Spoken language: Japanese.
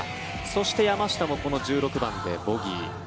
そして、山下もこの１６番でボギー。